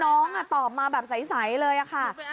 น้องอ่ะตอบมาแบบใสเลยอ่ะค่ะ